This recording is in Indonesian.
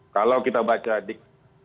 kalau kita baca dik sembilan